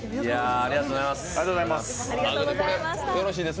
ありがとうございます。